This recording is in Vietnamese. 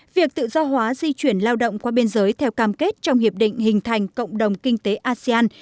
việc tự do hóa di chuyển lao động qua biên giới theo cam kết trong hiệp định hình thành cộng đồng kinh tế asean